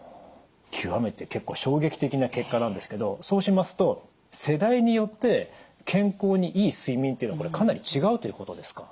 極めて結構衝撃的な結果なんですけどそうしますと世代によって健康にいい睡眠というのはかなり違うということですか？